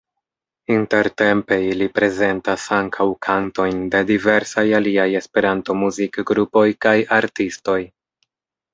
Intertempe ili prezentas ankaŭ kantojn de diversaj aliaj Esperanto-muzikgrupoj kaj -artistoj.